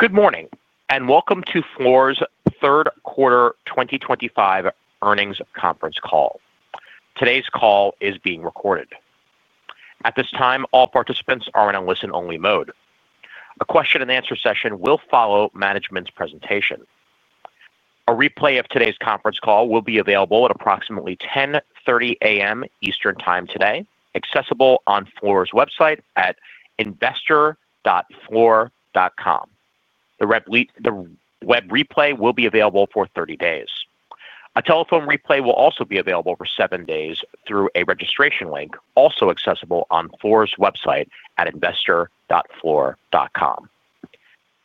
Good morning and welcome to Fluor's third quarter 2025 earnings conference call. Today's call is being recorded. At this time, all participants are in a listen-only mode. A question-and-answer session will follow management's presentation. A replay of today's conference call will be available at approximately 10:30 A.M. Eastern Time today, accessible on Fluor's website at investor.fluor.com. The web replay will be available for 30 days. A telephone replay will also be available for seven days through a registration link also accessible on Fluor's website at investor.fluor.com.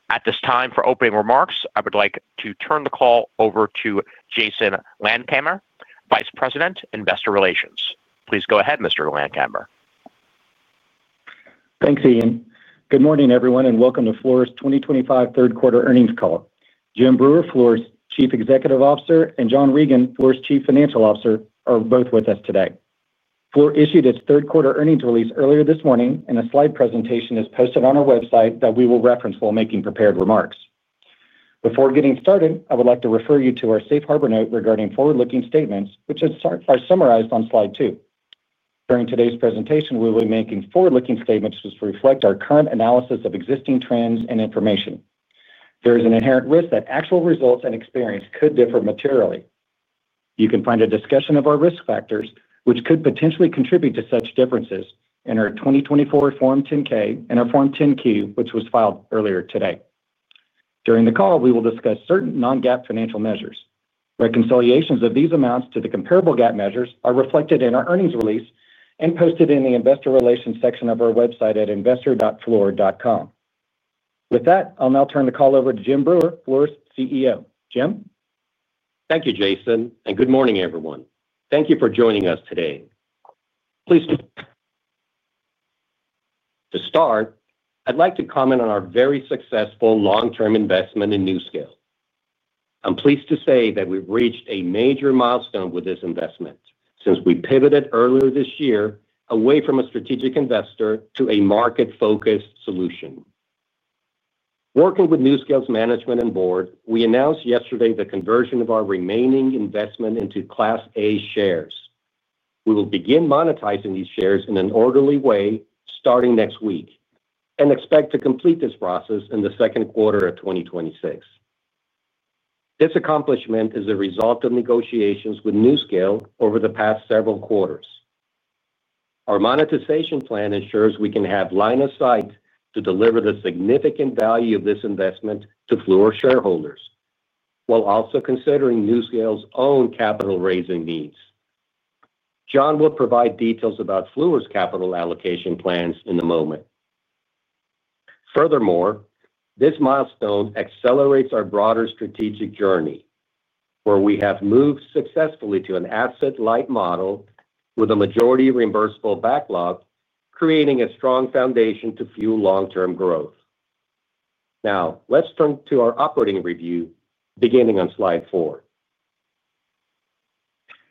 At this time, for opening remarks, I would like to turn the call over to Jason Landkamer, Vice President, Investor Relations. Please go ahead, Mr. Landkamer. Thanks, Ian. Good morning, everyone, and welcome to Fluor's 2025 third quarter earnings call. Jim Breuer, Fluor's Chief Executive Officer, and John Regan, Fluor's Chief Financial Officer, are both with us today. Fluor issued its third quarter earnings release earlier this morning, and a slide presentation is posted on our website that we will reference while making prepared remarks. Before getting started, I would like to refer you to our safe harbor note regarding forward-looking statements, which are summarized on slide two. During today's presentation, we will be making forward-looking statements which reflect our current analysis of existing trends and information. There is an inherent risk that actual results and experience could differ materially. You can find a discussion of our risk factors, which could potentially contribute to such differences, in our 2024 Form 10-K and our Form 10-Q, which was filed earlier today. During the call, we will discuss certain non-GAAP financial measures. Reconciliations of these amounts to the comparable GAAP measures are reflected in our earnings release and posted in the Investor Relations section of our website at investor.fluor.com. With that, I'll now turn the call over to Jim Breuer, Fluor's CEO. Jim? Thank you, Jason, and good morning, everyone. Thank you for joining us today. Please. To start, I'd like to comment on our very successful long-term investment in NuScale. I'm pleased to say that we've reached a major milestone with this investment since we pivoted earlier this year away from a strategic investor to a market-focused solution. Working with NuScale's management and board, we announced yesterday the conversion of our remaining investment into Class A shares. We will begin monetizing these shares in an orderly way starting next week and expect to complete this process in the second quarter of 2026. This accomplishment is a result of negotiations with NuScale over the past several quarters. Our monetization plan ensures we can have line of sight to deliver the significant value of this investment to Fluor shareholders while also considering NuScale's own capital-raising needs. John will provide details about Fluor's capital allocation plans in a moment. Furthermore, this milestone accelerates our broader strategic journey, where we have moved successfully to an asset-light model with a majority reimbursable backlog, creating a strong foundation to fuel long-term growth. Now, let's turn to our operating review, beginning on slide four.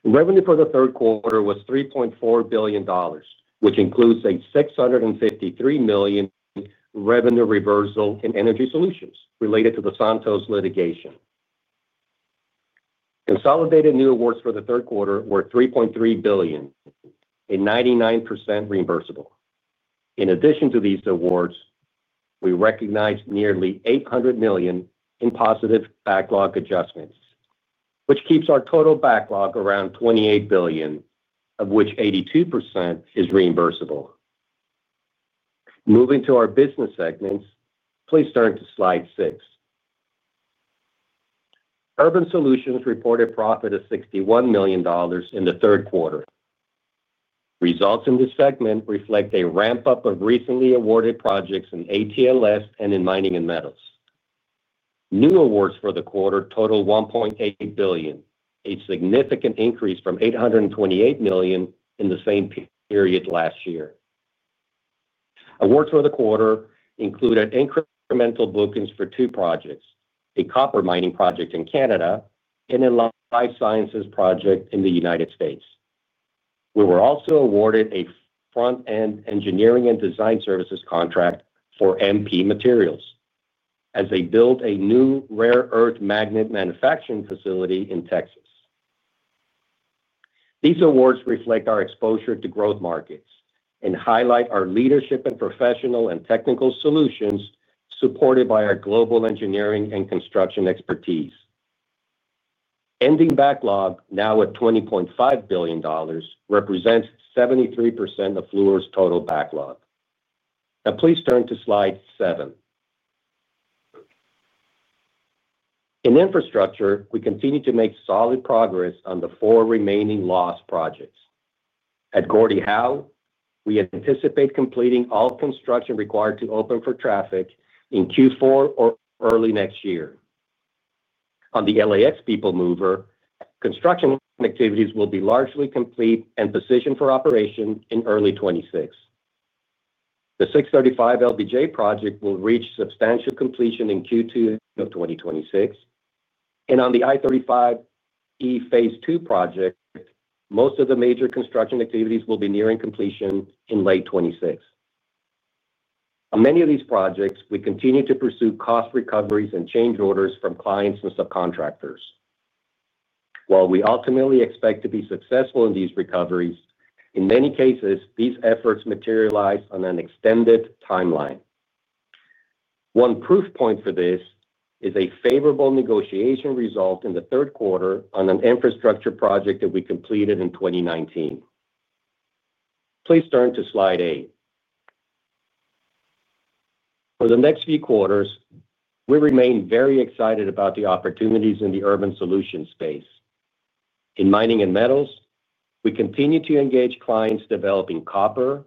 Revenue for the third quarter was $3.4 billion, which includes a $653 million revenue reversal in energy solutions related to the Santos litigation. Consolidated new awards for the third quarter were $3.3 billion, a 99% reimbursable. In addition to these awards, we recognized nearly $800 million in positive backlog adjustments, which keeps our total backlog around $28 billion, of which 82% is reimbursable. Moving to our business segments, please turn to slide six. Urban Solutions reported profit of $61 million in the third quarter. Results in this segment reflect a ramp-up of recently awarded projects in ATLS and in Mining & Metals. New awards for the quarter totaled $1.8 billion, a significant increase from $828 million in the same period last year. Awards for the quarter included incremental bookings for two projects: a copper mining project in Canada and a life sciences project in the United States. We were also awarded a front-end engineering and design services contract for MP Materials as they build a new rare earth magnet manufacturing facility in Texas. These awards reflect our exposure to growth markets and highlight our leadership in professional and technical solutions supported by our global engineering and construction expertise. Ending backlog, now at $20.5 billion, represents 73% of Fluor's total backlog. Now, please turn to slide seven. In Infrastructure, we continue to make solid progress on the four remaining lost projects. At Gordie Howe, we anticipate completing all construction required to open for traffic in Q4 or early next year. On the LAX People Mover, construction activities will be largely complete and positioned for operation in early 2026. The 635/LBJ project will reach substantial completion in Q2 of 2026. On the I-35E phase two project, most of the major construction activities will be nearing completion in late 2026. On many of these projects, we continue to pursue cost recoveries and change orders from clients and subcontractors. While we ultimately expect to be successful in these recoveries, in many cases, these efforts materialize on an extended timeline. One proof point for this is a favorable negotiation result in the third quarter on an infrastructure project that we completed in 2019. Please turn to slide eight. For the next few quarters, we remain very excited about the opportunities in the Urban Solutions space. In Mining & Metals, we continue to engage clients developing copper,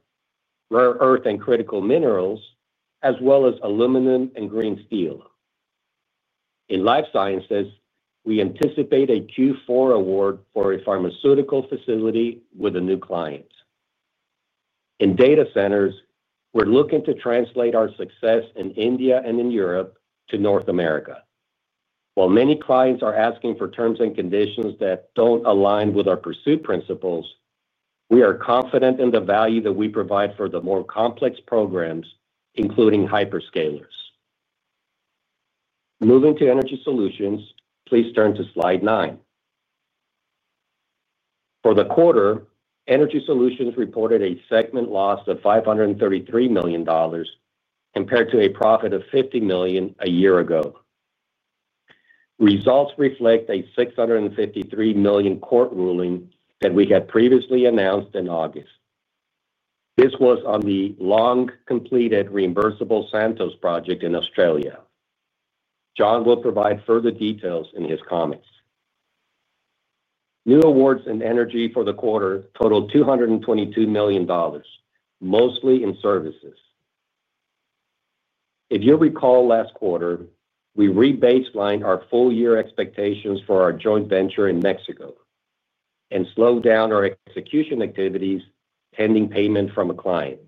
rare earth, and critical minerals, as well as aluminum and green steel. In Life Sciences, we anticipate a Q4 award for a pharmaceutical facility with a new client. In Data Centers, we're looking to translate our success in India and in Europe to North America. While many clients are asking for terms and conditions that do not align with our pursuit principles, we are confident in the value that we provide for the more complex programs, including hyperscalers. Moving to Energy Solutions, please turn to slide nine. For the quarter, Energy Solutions reported a segment loss of $533 million compared to a profit of $50 million a year ago. Results reflect a $653 million court ruling that we had previously announced in August. This was on the long-completed reimbursable Santos project in Australia. John will provide further details in his comments. New awards in energy for the quarter totaled $222 million, mostly in services. If you'll recall last quarter, we re-baselined our full-year expectations for our joint venture in Mexico and slowed down our execution activities pending payment from a client.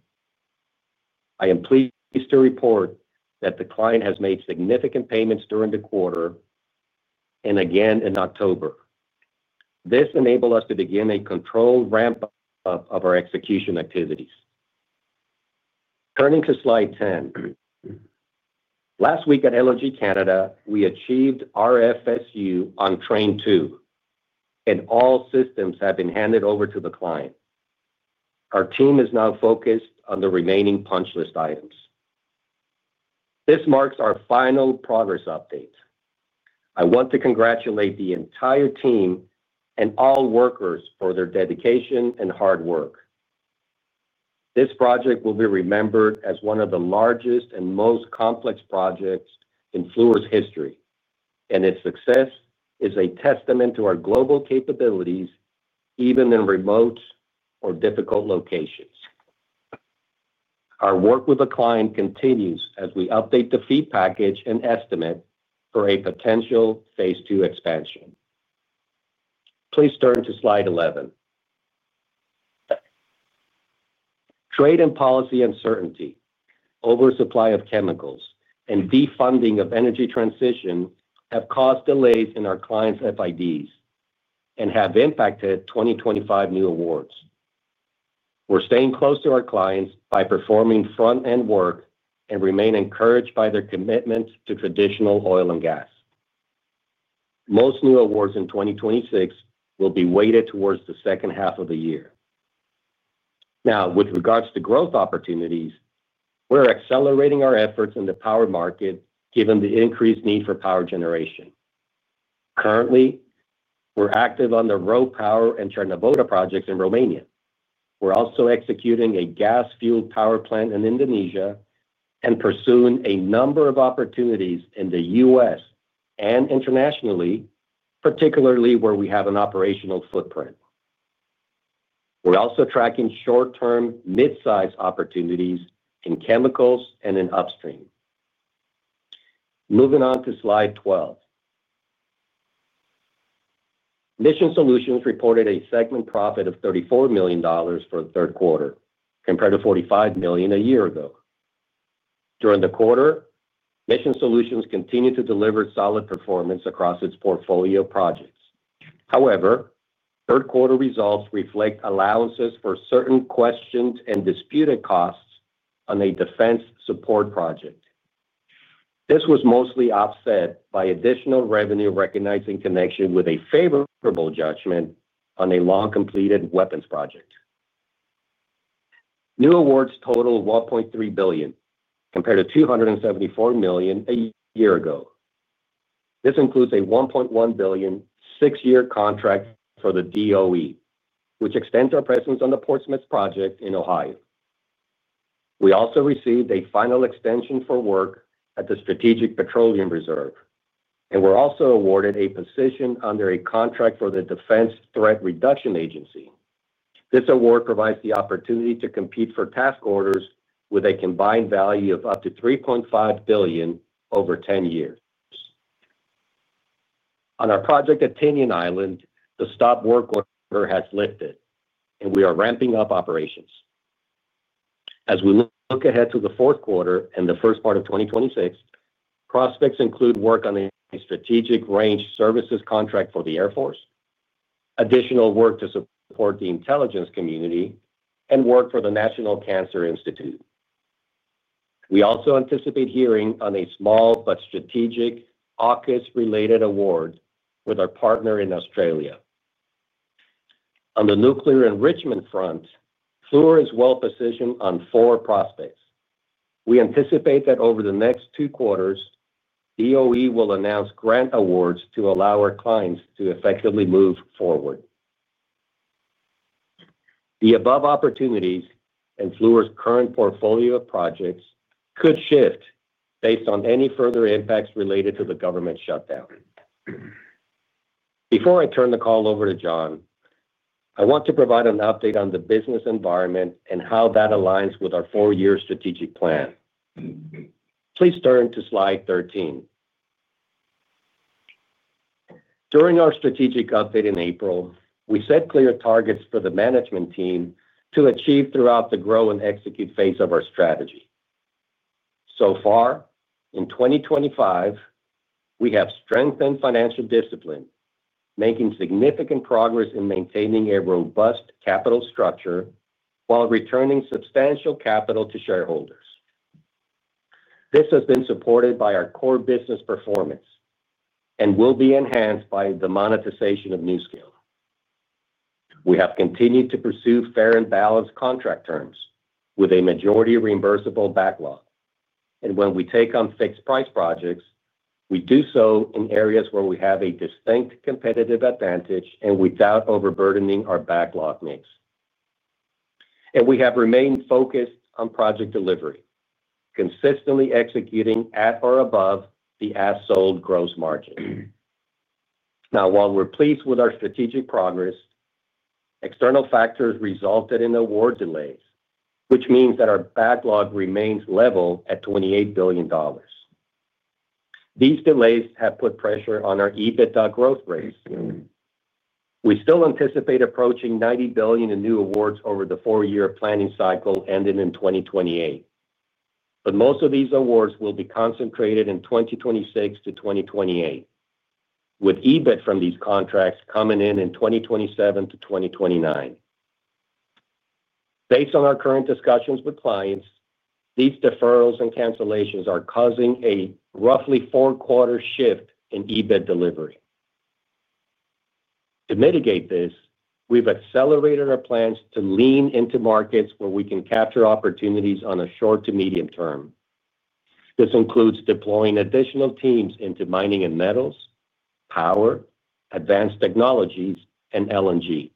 I am pleased to report that the client has made significant payments during the quarter and again in October. This enabled us to begin a controlled ramp-up of our execution activities. Turning to slide ten, last week at LNG Canada, we achieved RFSU on Train 2, and all systems have been handed over to the client. Our team is now focused on the remaining punch list items. This marks our final progress update. I want to congratulate the entire team and all workers for their dedication and hard work. This project will be remembered as one of the largest and most complex projects in Fluor's history, and its success is a testament to our global capabilities, even in remote or difficult locations. Our work with the client continues as we update the fee package and estimate for a potential phase two expansion. Please turn to slide eleven. Trade and policy uncertainty, oversupply of chemicals, and defunding of energy transition have caused delays in our clients' FIDs and have impacted 2025 new awards. We're staying close to our clients by performing front-end work and remain encouraged by their commitment to traditional oil and gas. Most new awards in 2026 will be weighted towards the second half of the year. Now, with regards to growth opportunities, we're accelerating our efforts in the power market given the increased need for power generation. Currently, we're active on the RoPower and Cernavoda projects in Romania. We're also executing a gas-fueled power plant in Indonesia and pursuing a number of opportunities in the U.S. and internationally, particularly where we have an operational footprint. We're also tracking short-term mid-size opportunities in chemicals and in upstream. Moving on to slide twelve. Mission Solutions reported a segment profit of $34 million for the third quarter, compared to $45 million a year ago. During the quarter, Mission Solutions continued to deliver solid performance across its portfolio projects. However, third quarter results reflect allowances for certain questioned and disputed costs on a defense support project. This was mostly offset by additional revenue recognized in connection with a favorable judgment on a long-completed weapons project. New awards totaled $1.3 billion, compared to $274 million a year ago. This includes a $1.1 billion six-year contract for the DOE, which extends our presence on the Portsmouth project in Ohio. We also received a final extension for work at the Strategic Petroleum Reserve, and we were also awarded a position under a contract for the Defense Threat Reduction Agency. This award provides the opportunity to compete for task orders with a combined value of up to $3.5 billion over 10 years. On our project at Tinian Island, the stop work order has lifted, and we are ramping up operations. As we look ahead to the fourth quarter and the first part of 2026, prospects include work on a strategic range services contract for the Air Force, additional work to support the intelligence community, and work for the National Cancer Institute. We also anticipate hearing on a small but strategic AUKUS-related award with our partner in Australia. On the nuclear enrichment front, Fluor is well-positioned on four prospects. We anticipate that over the next two quarters, DOE will announce grant awards to allow our clients to effectively move forward. The above opportunities and Fluor's current portfolio of projects could shift based on any further impacts related to the government shutdown. Before I turn the call over to John, I want to provide an update on the business environment and how that aligns with our four-year strategic plan. Please turn to slide thirteen. During our strategic update in April, we set clear targets for the management team to achieve throughout the grow and execute phase of our strategy. So far, in 2025, we have strengthened financial discipline, making significant progress in maintaining a robust capital structure while returning substantial capital to shareholders. This has been supported by our core business performance and will be enhanced by the monetization of NuScale. We have continued to pursue fair and balanced contract terms with a majority reimbursable backlog. When we take on fixed price projects, we do so in areas where we have a distinct competitive advantage and without overburdening our backlog mix. We have remained focused on project delivery, consistently executing at or above the as-sold gross margin. Now, while we're pleased with our strategic progress, external factors resulted in award delays, which means that our backlog remains level at $28 billion. These delays have put pressure on our EBITDA growth rate. We still anticipate approaching $90 billion in new awards over the four-year planning cycle ending in 2028. Most of these awards will be concentrated in 2026-2028, with EBIT from these contracts coming in in 2027-2029. Based on our current discussions with clients, these deferrals and cancellations are causing a roughly four-quarter shift in EBIT delivery. To mitigate this, we've accelerated our plans to lean into markets where we can capture opportunities on a short to medium term. This includes deploying additional teams into mining and metals, power, advanced technologies, and LNG.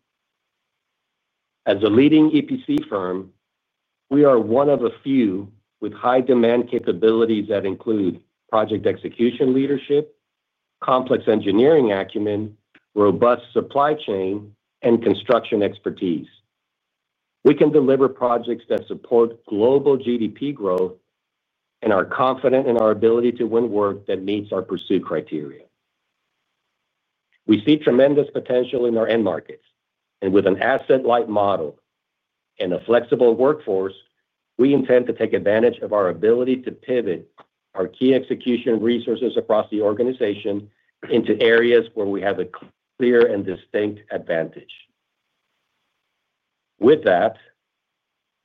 As a leading EPC firm, we are one of a few with high-demand capabilities that include project execution leadership, complex engineering acumen, robust supply chain, and construction expertise. We can deliver projects that support global GDP growth and are confident in our ability to win work that meets our pursuit criteria. We see tremendous potential in our end markets. With an asset-light model and a flexible workforce, we intend to take advantage of our ability to pivot our key execution resources across the organization into areas where we have a clear and distinct advantage. With that,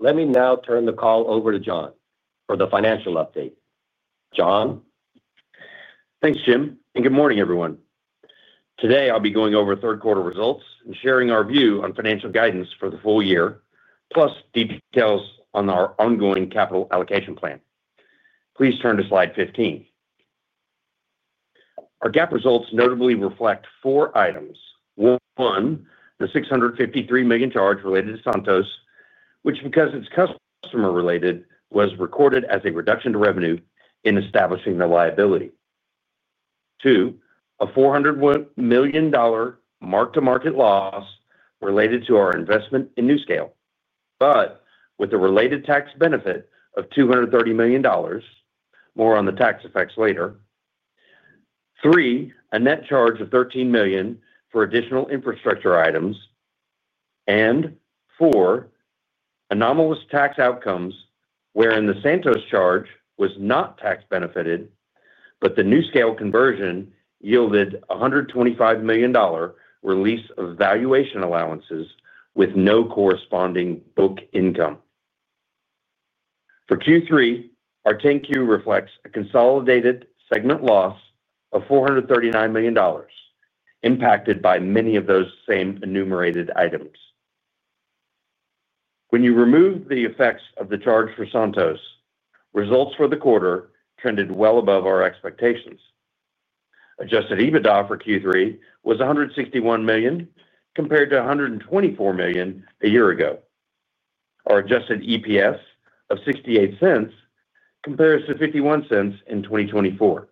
let me now turn the call over to John for the financial update. John? Thanks, Jim. Good morning, everyone. Today, I'll be going over third quarter results and sharing our view on financial guidance for the full year, plus details on our ongoing capital allocation plan. Please turn to slide fifteen. Our GAAP results notably reflect four items. One, the $653 million charge related to Santos, which, because it's customer-related, was recorded as a reduction to revenue in establishing the liability. Two, a $400 million mark-to-market loss related to our investment in NuScale, but with a related tax benefit of $230 million, more on the tax effects later. Three, a net charge of $13 million for additional infrastructure items. Four, anomalous tax outcomes wherein the Santos charge was not tax benefited, but the NuScale conversion yielded a $125 million release of valuation allowances with no corresponding book income. For Q3, our 10-Q reflects a consolidated segment loss of $439 million, impacted by many of those same enumerated items. When you remove the effects of the charge for Santos, results for the quarter trended well above our expectations. Adjusted EBITDA for Q3 was $161 million, compared to $124 million a year ago. Our adjusted EPS of $0.68 compares to $0.51 in 2024.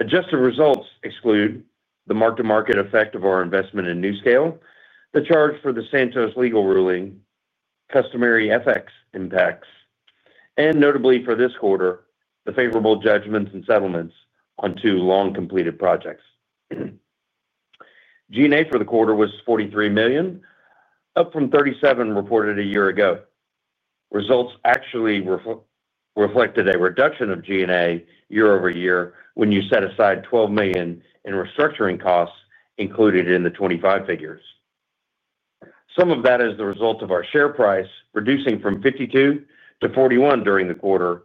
Adjusted results exclude the mark-to-market effect of our investment in NuScale, the charge for the Santos legal ruling, customary FX impacts, and notably for this quarter, the favorable judgments and settlements on two long-completed projects. G&A for the quarter was $43 million, up from $37 million reported a year ago. Results actually reflected a reduction of G&A year over year when you set aside $12 million in restructuring costs included in the $25 million figures. Some of that is the result of our share price reducing from $52 million to $41 million during the quarter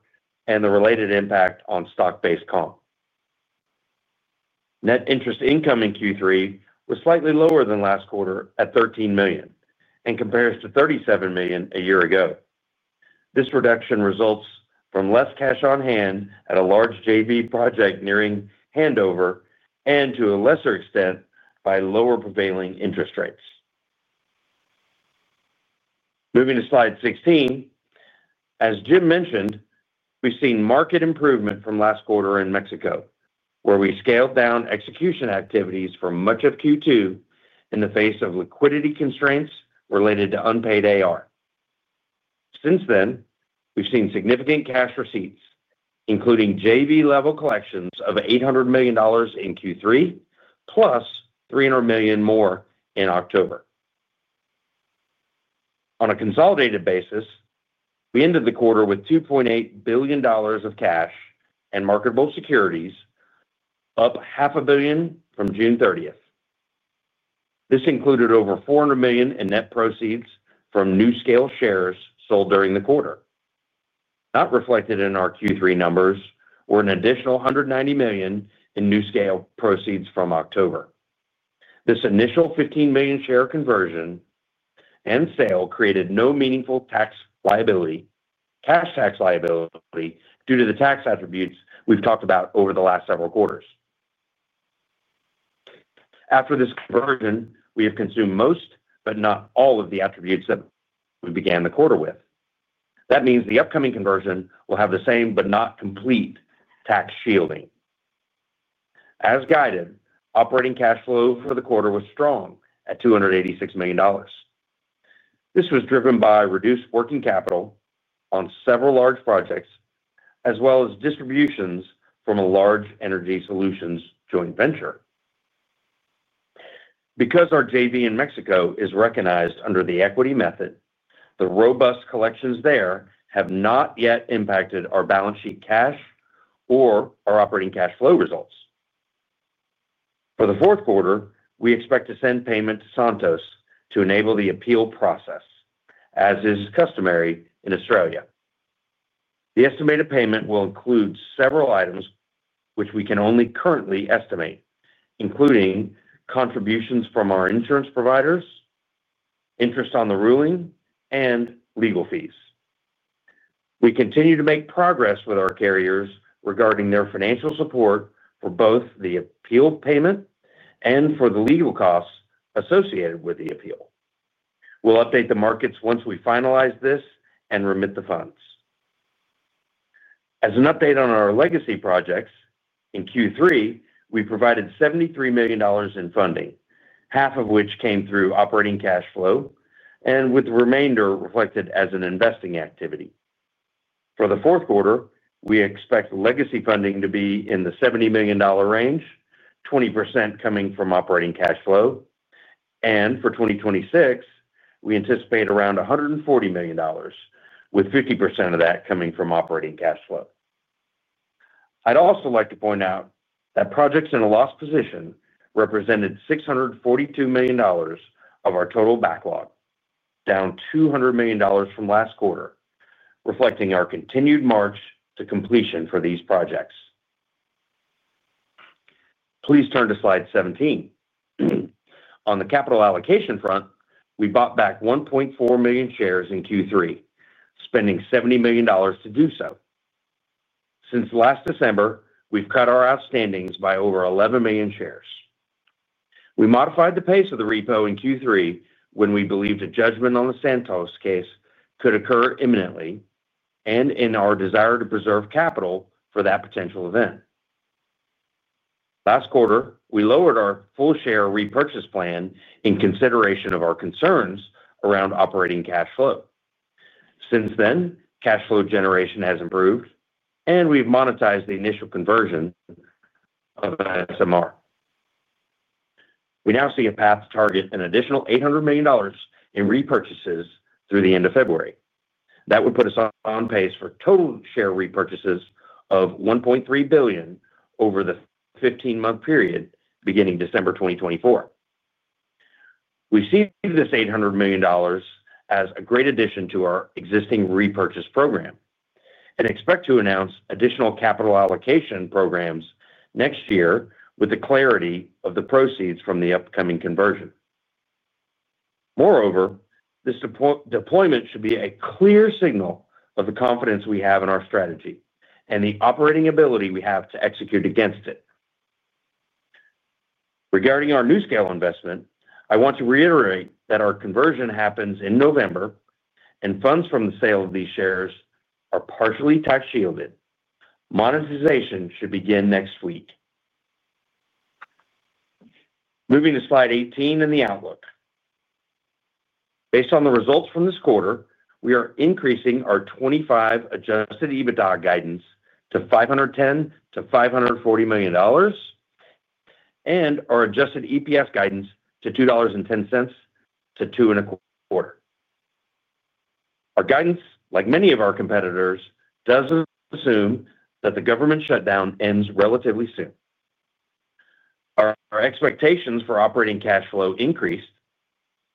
and the related impact on stock-based comp. Net interest income in Q3 was slightly lower than last quarter at $13 million and compares to $37 million a year ago. This reduction results from less cash on hand at a large JV project nearing handover and, to a lesser extent, by lower prevailing interest rates. Moving to slide sixteen, as Jim mentioned, we've seen market improvement from last quarter in Mexico, where we scaled down execution activities for much of Q2 in the face of liquidity constraints related to unpaid AR. Since then, we've seen significant cash receipts, including JV-level collections of $800 million in Q3, plus $300 million more in October. On a consolidated basis, we ended the quarter with $2.8 billion of cash and marketable securities, up $500 million from June 30th. This included over $400 million in net proceeds from NuScale shares sold during the quarter. Not reflected in our Q3 numbers were an additional $190 million in NuScale proceeds from October. This initial $15 million share conversion and sale created no meaningful cash tax liability, due to the tax attributes we've talked about over the last several quarters. After this conversion, we have consumed most, but not all, of the attributes that we began the quarter with. That means the upcoming conversion will have the same, but not complete, tax shielding. As guided, operating cash flow for the quarter was strong at $286 million. This was driven by reduced working capital on several large projects, as well as distributions from a large Energy Solutions joint venture. Because our JV in Mexico is recognized under the equity method, the robust collections there have not yet impacted our balance sheet cash or our operating cash flow results. For the fourth quarter, we expect to send payment to Santos to enable the appeal process, as is customary in Australia. The estimated payment will include several items which we can only currently estimate, including contributions from our insurance providers, interest on the ruling, and legal fees. We continue to make progress with our carriers regarding their financial support for both the appeal payment and for the legal costs associated with the appeal. We'll update the markets once we finalize this and remit the funds. As an update on our legacy projects, in Q3, we provided $73 million in funding, half of which came through operating cash flow, and with the remainder reflected as an investing activity. For the fourth quarter, we expect legacy funding to be in the $70 million range, 20% coming from operating cash flow. For 2026, we anticipate around $140 million, with 50% of that coming from operating cash flow. I'd also like to point out that projects in a loss position represented $642 million of our total backlog, down $200 million from last quarter, reflecting our continued march to completion for these projects. Please turn to slide seventeen. On the capital allocation front, we bought back 1.4 million shares in Q3, spending $70 million to do so. Since last December, we've cut our outstandings by over 11 million shares. We modified the pace of the repo in Q3 when we believed a judgment on the Santos case could occur imminently and in our desire to preserve capital for that potential event. Last quarter, we lowered our full share repurchase plan in consideration of our concerns around operating cash flow. Since then, cash flow generation has improved, and we've monetized the initial conversion of SMR. We now see a path to target an additional $800 million in repurchases through the end of February. That would put us on pace for total share repurchases of $1.3 billion over the 15-month period beginning December 2024. We see this $800 million as a great addition to our existing repurchase program and expect to announce additional capital allocation programs next year with the clarity of the proceeds from the upcoming conversion. Moreover, this deployment should be a clear signal of the confidence we have in our strategy and the operating ability we have to execute against it. Regarding our NuScale investment, I want to reiterate that our conversion happens in November, and funds from the sale of these shares are partially tax shielded. Monetization should begin next week. Moving to slide eighteen in the outlook. Based on the results from this quarter, we are increasing our $25 adjusted EBITDA guidance to $510 million-$540 million and our adjusted EPS guidance to $2.10-$2.25. Our guidance, like many of our competitors, does assume that the government shutdown ends relatively soon. Our expectations for operating cash flow increased,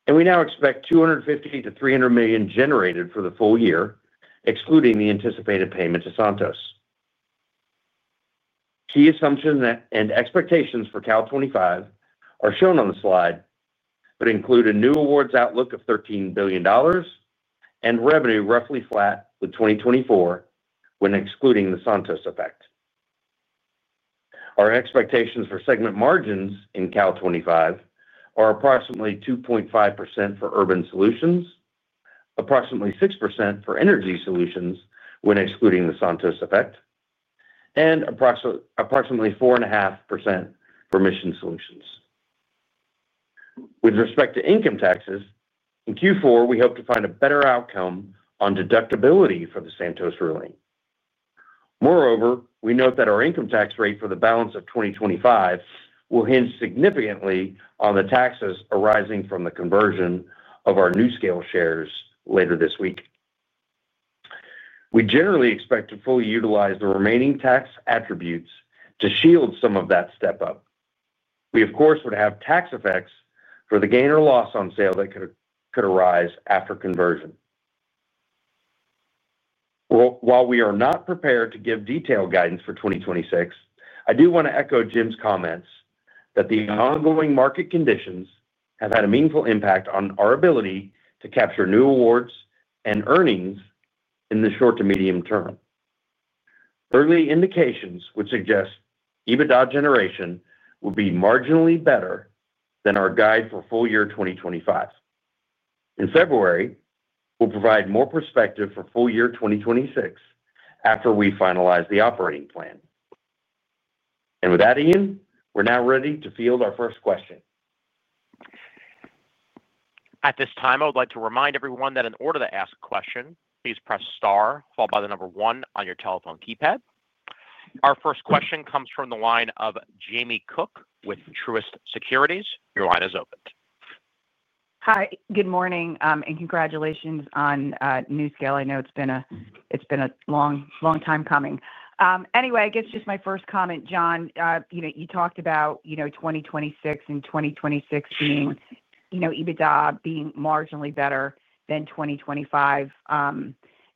and we now expect $250 million-$300 million generated for the full year, excluding the anticipated payment to Santos. Key assumptions and expectations for calendar 2025 are shown on the slide, but include a new awards outlook of $13 billion and revenue roughly flat with 2024 when excluding the Santos effect. Our expectations for segment margins in calendar 2025 are approximately 2.5% for Urban Solutions, approximately 6% for Energy Solutions when excluding the Santos effect, and approximately 4.5% for Mission Solutions. With respect to income taxes, in Q4, we hope to find a better outcome on deductibility for the Santos ruling. Moreover, we note that our income tax rate for the balance of 2025 will hinge significantly on the taxes arising from the conversion of our NuScale shares later this week. We generally expect to fully utilize the remaining tax attributes to shield some of that step up. We, of course, would have tax effects for the gain or loss on sale that could arise after conversion. While we are not prepared to give detailed guidance for 2026, I do want to echo Jim's comments that the ongoing market conditions have had a meaningful impact on our ability to capture new awards and earnings in the short to medium term. Early indications would suggest EBITDA generation would be marginally better than our guide for full year 2025. In February, we will provide more perspective for full year 2026 after we finalize the operating plan. With that, Ian, we are now ready to field our first question. At this time, I would like to remind everyone that in order to ask a question, please press star, followed by the number one on your telephone keypad. Our first question comes from the line of Jamie Cook with Truist Securities. Your line is open. Hi. Good morning and congratulations on NuScale. I know it has been a long time coming. Anyway, I guess just my first comment, John, you talked about 2026 and 2026 being EBITDA being marginally better than 2025.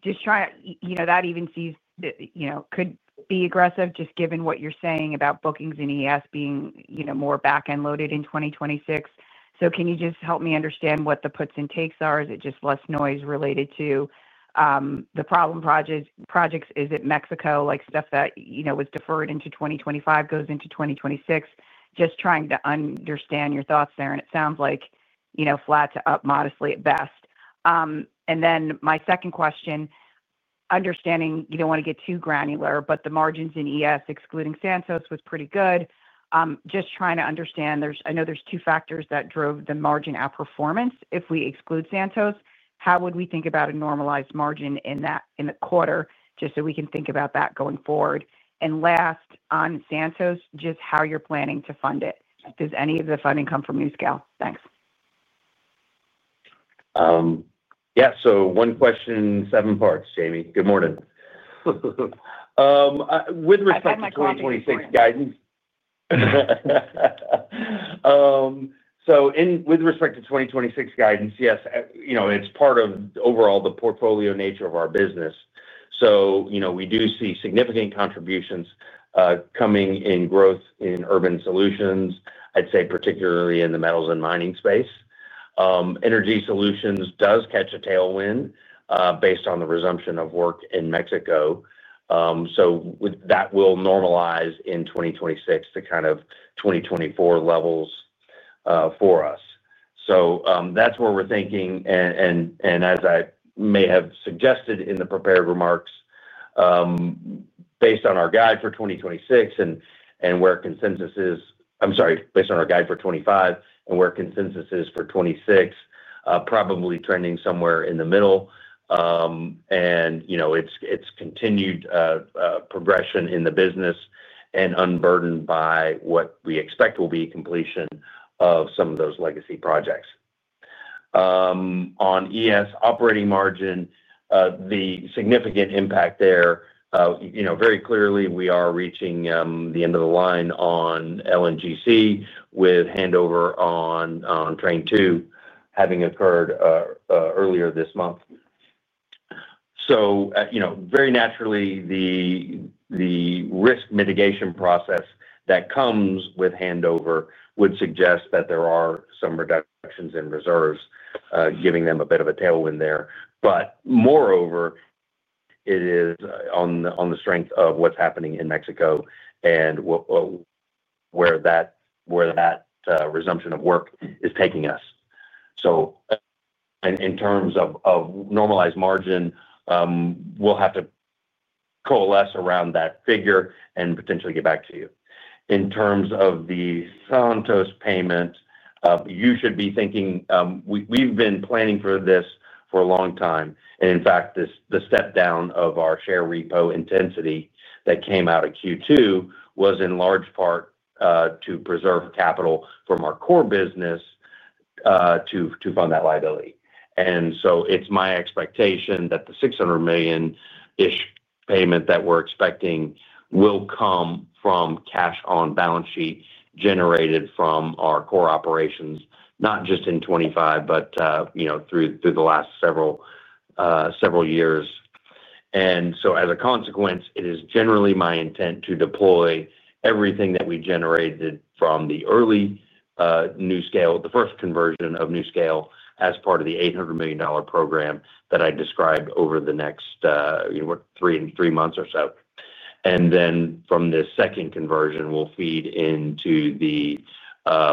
Just trying that even could be aggressive, just given what you're saying about bookings in ES being more back-end loaded in 2026. Can you just help me understand what the puts and takes are? Is it just less noise related to the problem projects? Is it Mexico, like stuff that was deferred into 2025 goes into 2026? Just trying to understand your thoughts there. It sounds like flat to up modestly at best. My second question, understanding you don't want to get too granular, but the margins in ES, excluding Santos, was pretty good. Just trying to understand, I know there's two factors that drove the margin outperformance. If we exclude Santos, how would we think about a normalized margin in the quarter just so we can think about that going forward? Last, on Santos, just how you're planning to fund it. Does any of the funding come from NuScale? Thanks. Yeah. One question, seven parts, Jamie. Good morning. With respect to 2026 guidance. With respect to 2026 guidance, yes, it's part of overall the portfolio nature of our business. We do see significant contributions coming in growth in Urban Solutions, I'd say particularly in the metals and mining space. Energy Solutions does catch a tailwind based on the resumption of work in Mexico. That will normalize in 2026 to kind of 2024 levels for us. That's where we're thinking. As I may have suggested in the prepared remarks, based on our guide for 2026 and where consensus is, I'm sorry, based on our guide for 2025 and where consensus is for 2026, probably trending somewhere in the middle. It is continued progression in the business and unburdened by what we expect will be completion of some of those legacy projects. On ES operating margin, the significant impact there, very clearly we are reaching the end of the line on LNG Canada with handover on train two having occurred earlier this month. Very naturally, the risk mitigation process that comes with handover would suggest that there are some reductions in reserves, giving them a bit of a tailwind there. Moreover, it is on the strength of what's happening in Mexico and where that resumption of work is taking us. In terms of normalized margin, we'll have to coalesce around that figure and potentially get back to you. In terms of the Santos payment, you should be thinking we've been planning for this for a long time. In fact, the step down of our share repo intensity that came out of Q2 was in large part to preserve capital from our core business to fund that liability. It is my expectation that the $600 million-ish payment that we're expecting will come from cash on balance sheet generated from our core operations, not just in 2025, but through the last several years. As a consequence, it is generally my intent to deploy everything that we generated from the early NuScale, the first conversion of NuScale as part of the $800 million program that I described over the next three months or so. And then from the second conversion, we'll feed into the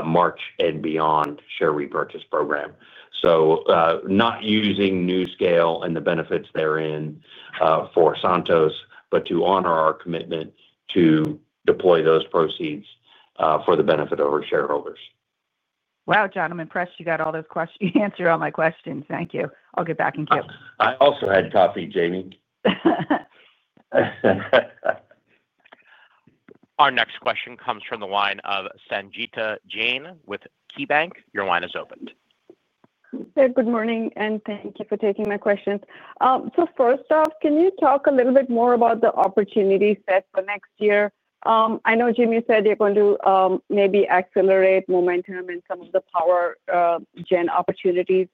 March and beyond share repurchase program. Not using NuScale and the benefits therein for Santos, but to honor our commitment to deploy those proceeds for the benefit of our shareholders. Wow, John, I'm impressed you got all those questions. You answered all my questions. Thank you. I'll get back in queue. I also had coffee, Jamie. Our next question comes from the line of Sangita Jain with KeyBanc. Your line is open. Good morning and thank you for taking my questions. First off, can you talk a little bit more about the opportunities set for next year? I know Jamie said you're going to maybe accelerate momentum in some of the power gen opportunities.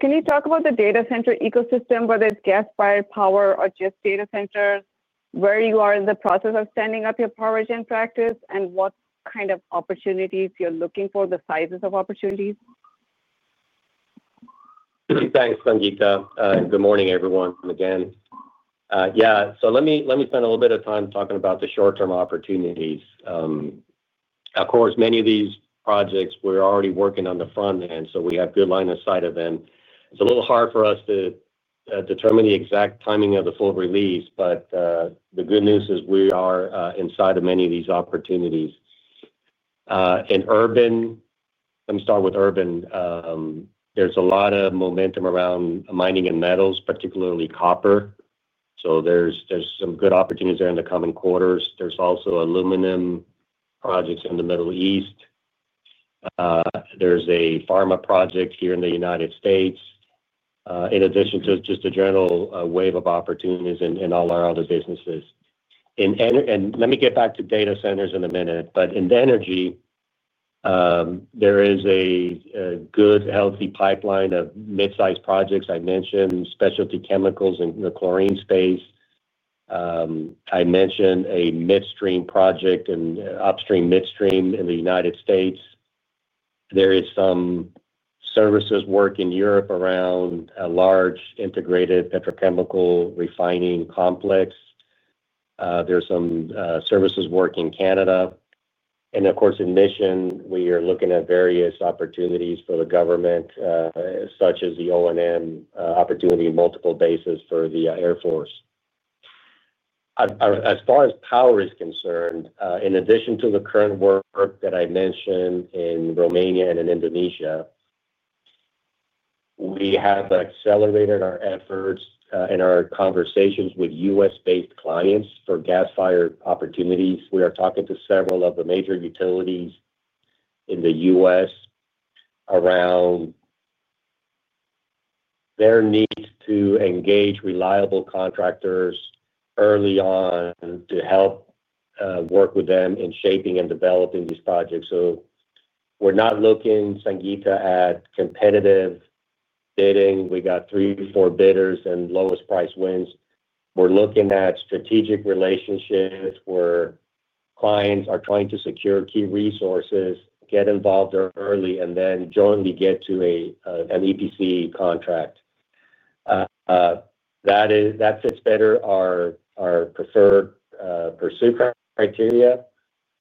Can you talk about the data center ecosystem, whether it's gas, fire, power, or just data centers, where you are in the process of standing up your power gen practice and what kind of opportunities you're looking for, the sizes of opportunities? Thanks, Sangita. Good morning, everyone, again. Yeah. Let me spend a little bit of time talking about the short-term opportunities. Of course, many of these projects we're already working on the front end, so we have good line of sight of them. It's a little hard for us to determine the exact timing of the full release, but the good news is we are inside of many of these opportunities. In Urban, let me start with Urban. There's a lot of momentum around mining and metals, particularly copper. So there's some good opportunities there in the coming quarters. There's also aluminum projects in the Middle East. There's a pharma project here in the United States, in addition to just a general wave of opportunities in all our other businesses. Let me get back to Data Centers in a minute. In the Energy, there is a good, healthy pipeline of mid-sized projects I mentioned, specialty chemicals in the chlorine space. I mentioned a midstream project and upstream midstream in the United States. There is some services work in Europe around a large integrated petrochemical refining complex. There is some services work in Canada. Of course, in Mission, we are looking at various opportunities for the government, such as the O&M opportunity at multiple bases for the Air Force. As far as power is concerned, in addition to the current work that I mentioned in Romania and in Indonesia, we have accelerated our efforts and our conversations with U.S.-based clients for gas-fired opportunities. We are talking to several of the major utilities in the U.S. around their needs to engage reliable contractors early on to help work with them in shaping and developing these projects. We are not looking, Sangita, at competitive bidding. We got three or four bidders and lowest price wins. We are looking at strategic relationships where clients are trying to secure key resources, get involved early, and then jointly get to an EPC contract. That fits better our preferred pursuit criteria.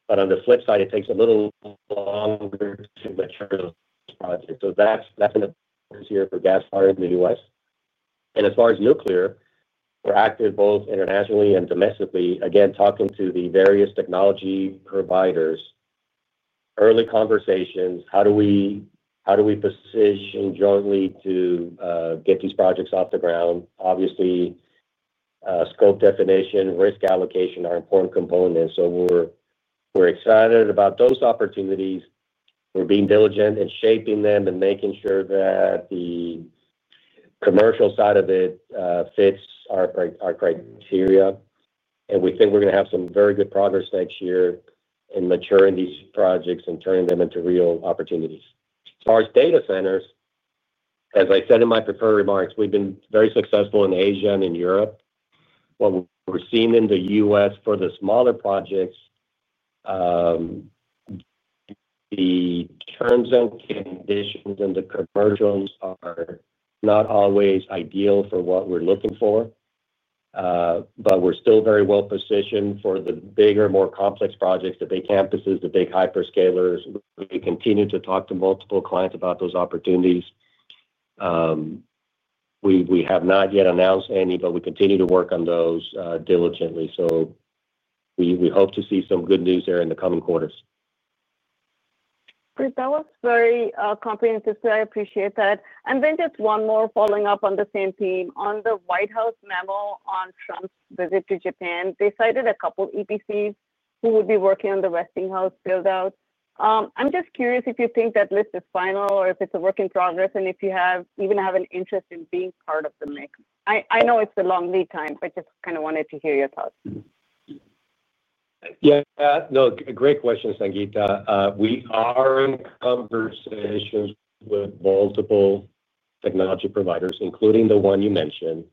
On the flip side, it takes a little longer to mature those projects. That is another focus here for gas fired in the U.S. As far as nuclear, we are active both internationally and domestically. Again, talking to the various technology providers, early conversations, how do we position jointly to get these projects off the ground? Obviously, scope definition, risk allocation are important components. We're excited about those opportunities. We're being diligent in shaping them and making sure that the commercial side of it fits our criteria. We think we're going to have some very good progress next year in maturing these projects and turning them into real opportunities. As far as Data Centers, as I said in my prepared remarks, we've been very successful in Asia and in Europe. What we're seeing in the U.S. for the smaller projects, the terms and conditions and the commercials are not always ideal for what we're looking for, but we're still very well positioned for the bigger, more complex projects, the big campuses, the big hyperscalers. We continue to talk to multiple clients about those opportunities. We have not yet announced any, but we continue to work on those diligently. We hope to see some good news there in the coming quarters. Great, that was very comprehensive. I appreciate that. Just one more following up on the same theme. On the White House memo on Trump's visit to Japan, they cited a couple of EPCs who would be working on the Westinghouse buildout. I'm just curious if you think that list is final or if it's a work in progress and if you even have an interest in being part of the mix. I know it's a long lead time, but just kind of wanted to hear your thoughts. Yeah. No, great question, Sangita. We are in conversations with multiple technology providers, including the one you mentioned,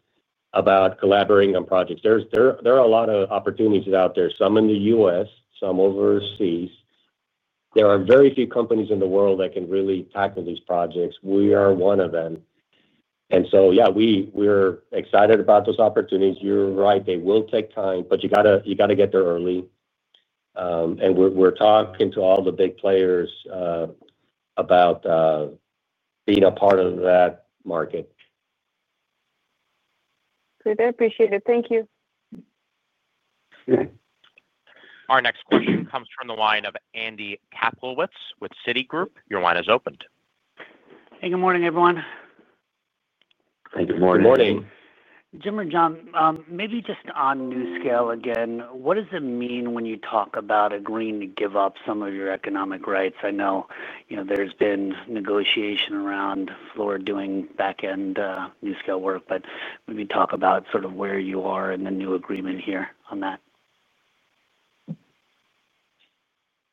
about collaborating on projects. There are a lot of opportunities out there, some in the U.S., some overseas. There are very few companies in the world that can really tackle these projects. We are one of them. Yeah, we're excited about those opportunities. You're right. They will take time, but you got to get there early. We're talking to all the big players about being a part of that market. Good. I appreciate it. Thank you. Our next question comes from the line of Andy Kaplowitz with Citigroup. Your line is opened. Hey, good morning, everyone. Hey, good morning. Good morning. Jim or John, maybe just on NuScale again, what does it mean when you talk about agreeing to give up some of your economic rights? I know there's been negotiation around Fluor doing back-end NuScale work, but maybe talk about sort of where you are in the new agreement here on that.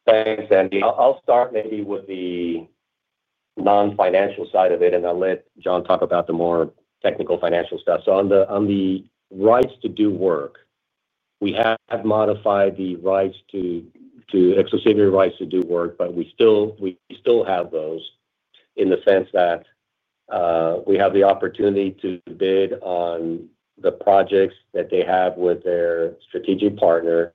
Thanks, Andy. I'll start maybe with the non-financial side of it, and I'll let John talk about the more technical financial stuff. On the rights to do work, we have modified the rights to exclusivity rights to do work, but we still have those in the sense that we have the opportunity to bid on the projects that they have with their strategic partner,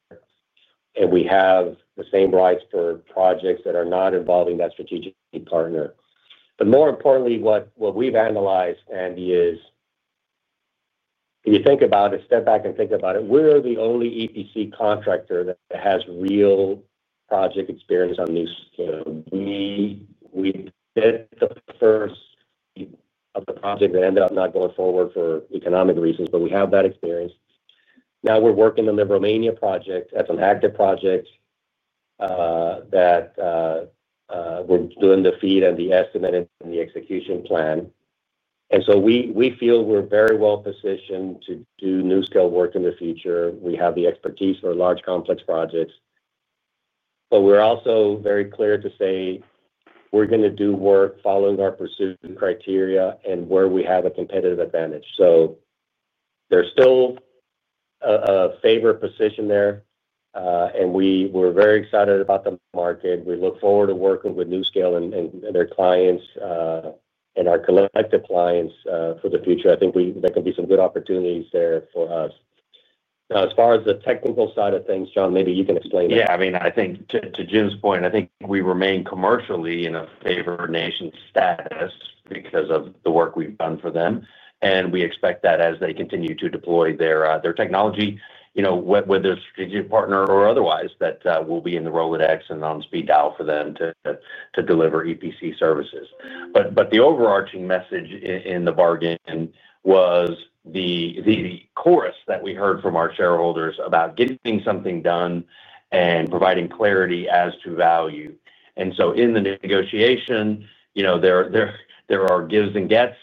and we have the same rights for projects that are not involving that strategic partner. More importantly, what we've analyzed, Andy, is if you think about it, step back and think about it, we're the only EPC contractor that has real project experience on NuScale. We did the first of the project that ended up not going forward for economic reasons, but we have that experience. Now we're working on the Romania project. That's an active project that we're doing the FEED and the estimate and the execution plan. We feel we're very well positioned to do NuScale work in the future. We have the expertise for large complex projects. We are also very clear to say we are going to do work following our pursuit criteria and where we have a competitive advantage. There is still a favored position there, and we are very excited about the market. We look forward to working with NuScale and their clients and our collective clients for the future. I think there can be some good opportunities there for us. Now, as far as the technical side of things, John, maybe you can explain that. Yeah. I mean, I think to Jim's point, I think we remain commercially in a favored nation status because of the work we have done for them. We expect that as they continue to deploy their technology, whether it is strategic partner or otherwise, we will be in the Rolodex and on speed dial for them to deliver EPC services. The overarching message in the bargain was the chorus that we heard from our shareholders about getting something done and providing clarity as to value. In the negotiation, there are gives and gets.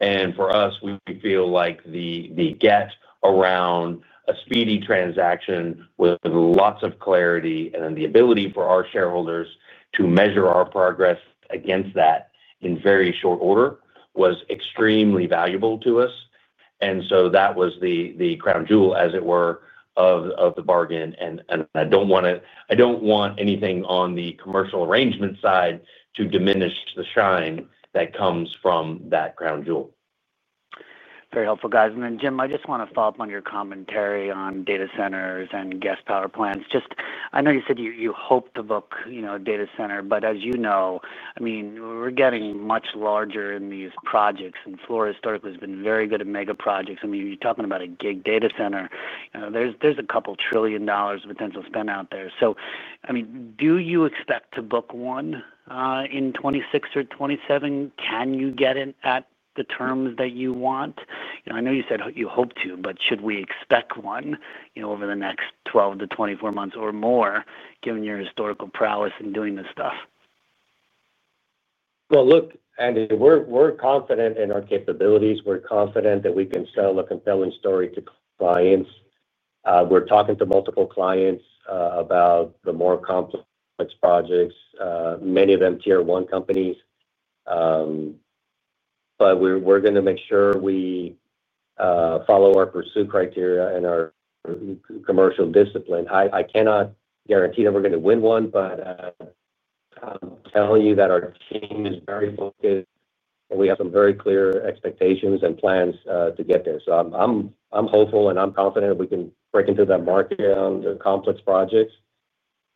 For us, we feel like the get around a speedy transaction with lots of clarity and the ability for our shareholders to measure our progress against that in very short order was extremely valuable to us. That was the crown jewel, as it were, of the bargain. I do not want anything on the commercial arrangement side to diminish the shine that comes from that crown jewel. Very helpful, guys. Jim, I just want to follow up on your commentary on data centers and gas power plants. Just I know you said you hope to book a data center, but as you know, I mean, we're getting much larger in these projects. And Fluor historically has been very good at mega projects. I mean, you're talking about a gig data center. There's a couple trillion dollars of potential spend out there. So I mean, do you expect to book one in 2026 or 2027? Can you get it at the terms that you want? I know you said you hope to, but should we expect one over the next 12-24 months or more, given your historical prowess in doing this stuff? Look, Andy, we're confident in our capabilities. We're confident that we can sell a compelling story to clients. We're talking to multiple clients about the more complex projects, many of them tier one companies. We're going to make sure we follow our pursuit criteria and our commercial discipline. I cannot guarantee that we're going to win one, but I'm telling you that our team is very focused, and we have some very clear expectations and plans to get there. I'm hopeful and I'm confident we can break into that market on the complex projects.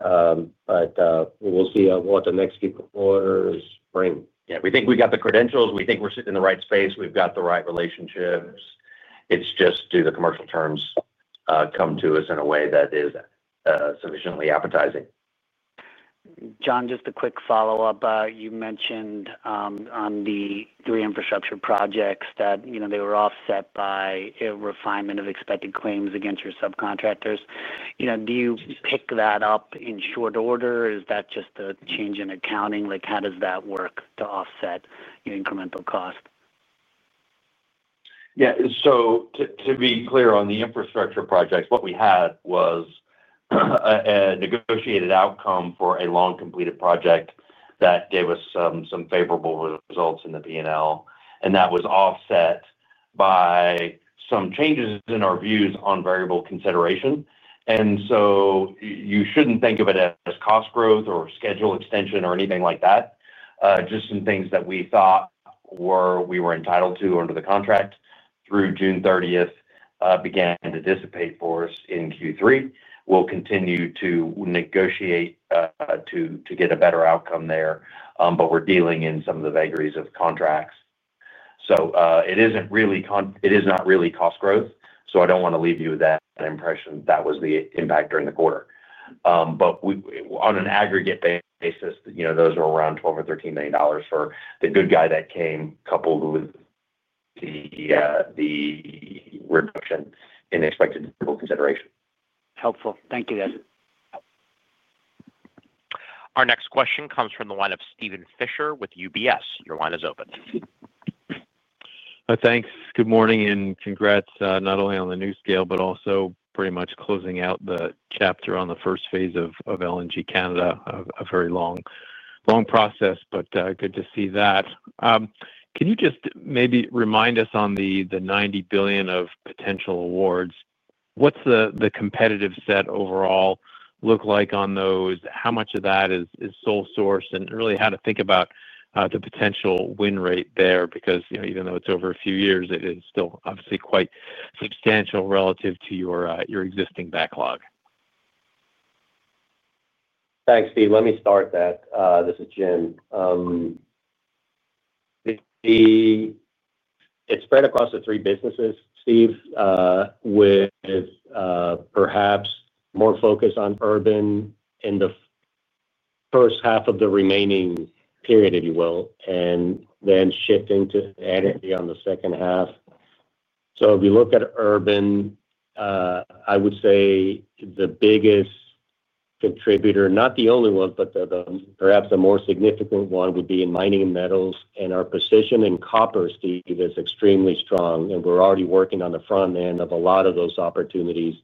We'll see what the next few quarters bring. Yeah. We think we've got the credentials. We think we're in the right space. We've got the right relationships. It's just do the commercial terms come to us in a way that is sufficiently appetizing. John, just a quick follow-up. You mentioned on the three infrastructure projects that they were offset by a refinement of expected claims against your subcontractors. Do you pick that up in short order? Is that just a change in accounting? How does that work to offset your incremental cost? Yeah. To be clear on the infrastructure projects, what we had was a negotiated outcome for a long-completed project that gave us some favorable results in the P&L. That was offset by some changes in our views on variable consideration. You should not think of it as cost growth or schedule extension or anything like that. Just some things that we thought we were entitled to under the contract through June 30th began to dissipate for us in Q3. We will continue to negotiate to get a better outcome there, but we are dealing in some of the vagaries of contracts. It is not really cost growth. I do not want to leave you with that impression that that was the impact during the quarter. On an aggregate basis, those are around $12 million or $13 million for the good guy that came coupled with the reduction in expected consideration. Helpful. Thank you, guys. Our next question comes from the line of Steven Fisher with UBS. Your line is open. Thanks. Good morning and congrats not only on the NuScale, but also pretty much closing out the chapter on the first phase of LNG Canada. A very long process, but good to see that. Can you just maybe remind us on the $90 billion of potential awards? What's the competitive set overall look like on those? How much of that is sole source and really how to think about the potential win rate there? Because even though it's over a few years, it is still obviously quite substantial relative to your existing backlog. Thanks, Steve. Let me start that. This is Jim. It's spread across the three businesses, Steve, with perhaps more focus on Urban in the first half of the remaining period, if you will, and then shifting to Energy on the second half. If you look at Urban, I would say the biggest contributor, not the only one, but perhaps the more significant one would be in mining and metals. Our position in copper, Steve, is extremely strong. We're already working on the front end of a lot of those opportunities: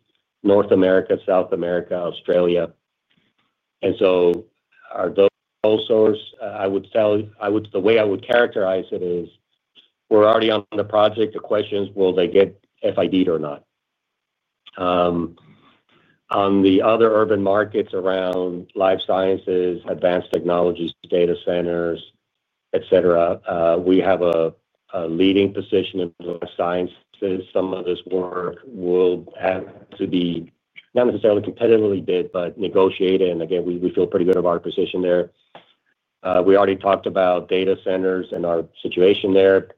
North America, South America, Australia. Are those sole source? I would say the way I would characterize it is we're already on the project. The question is, will they get FID'd or not? On the other Urban markets around life sciences, advanced technologies, data centers, etc., we have a leading position in life sciences. Some of this work will have to be not necessarily competitively bid, but negotiated. Again, we feel pretty good of our position there. We already talked about data centers and our situation there.